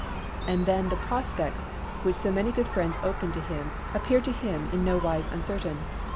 And then the prospects which so many good friends opened to him appeared to him in no wise uncertain.